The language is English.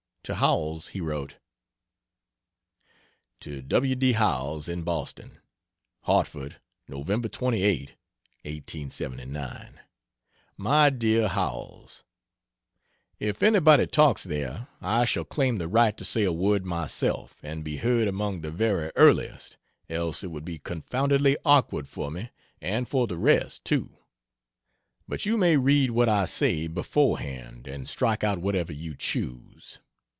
To Howells he wrote: To W. D. Howells, in Boston: HARTFORD, Nov. 28, 1879. MY DEAR HOWELLS, If anybody talks, there, I shall claim the right to say a word myself, and be heard among the very earliest else it would be confoundedly awkward for me and for the rest, too. But you may read what I say, beforehand, and strike out whatever you choose.